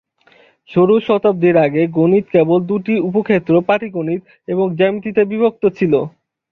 ষোড়শ শতাব্দীর আগে, গণিত কেবল দুটি উপ-ক্ষেত্র, পাটিগণিত এবং জ্যামিতিতে বিভক্ত ছিল।